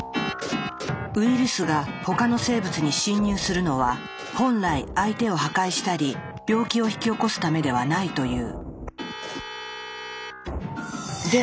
ウイルスが他の生物に侵入するのは本来相手を破壊したり病気を引き起こすためではないという。